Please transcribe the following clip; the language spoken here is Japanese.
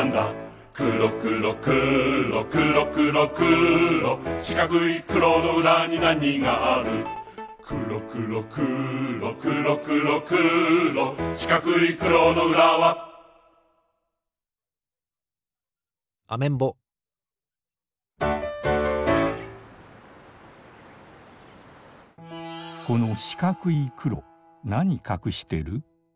くろくろくろくろくろくろしかくいくろのうらになにがあるくろくろくろくろくろくろしかくいくろのうらはアメンボこのしかくいくろなにかくしてる？